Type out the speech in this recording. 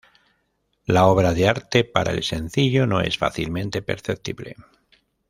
La obra de arte para el sencillo no es fácilmente perceptible.